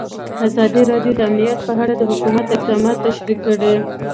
ازادي راډیو د امنیت په اړه د حکومت اقدامات تشریح کړي.